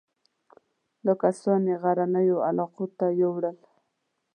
دا کسان یې غرنیو علاقو ته یووړل.